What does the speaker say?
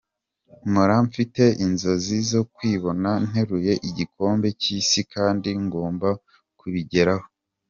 Mpora mfite inzozi zo kwibona nteruye igikombe cy’isi kandi ngomba kubigeraho.